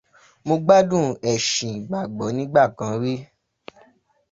Mo gbádùn ẹ̀sìn ìgbàgbọ́ nígbà kan rí